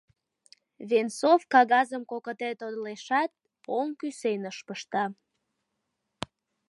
Венцов кагазым кокыте тодылешат, оҥ кӱсеныш пышта.